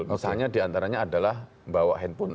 misalnya diantaranya adalah bawa handphone